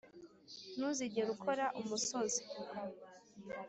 ntuzigere ukora umusozi